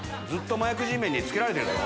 麻薬Ｇメンに尾けられてるぞ。